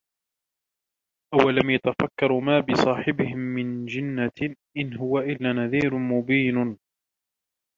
أَوَلَمْ يَتَفَكَّرُوا مَا بِصَاحِبِهِمْ مِنْ جِنَّةٍ إِنْ هُوَ إِلَّا نَذِيرٌ مُبِينٌ